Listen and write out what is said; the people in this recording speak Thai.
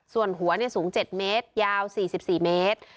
ส่วนหัวเนี้ยสูงเจ็ดเมตรยาวสี่สิบสี่เมตร